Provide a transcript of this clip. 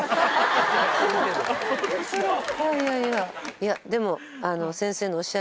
いやでも。